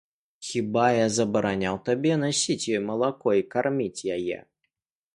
Хіба я забараняў табе насіць ёй малако і карміць яе?